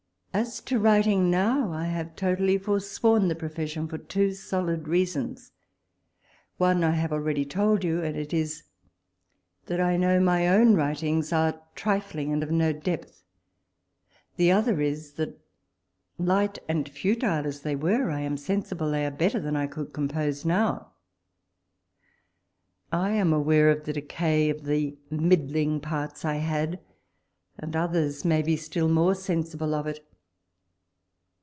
As to writing now, I have totally forsworn the profession, for two solid reasons. One I have already told you ; and it is, that I know my own writings are trifling and of no depth. The other is, that, light and futile as they were, I am sensible they are better than I could compose now. I am aware of the decay of the middling parts I had, and others may be still more sensible of it.